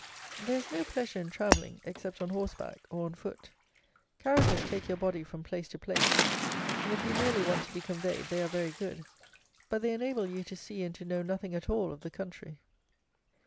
There is no pleasure in travelling, except on horse back, or on foot. Carriages take your body from place to place; and if you merely want to be conveyed, they are very good; but they enable you to see and to know nothing at all of the country.